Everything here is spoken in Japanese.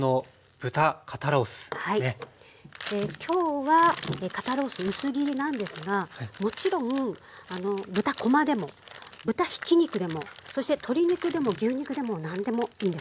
今日は肩ロース薄切りなんですがもちろん豚こまでも豚ひき肉でもそして鶏肉でも牛肉でも何でもいいんです。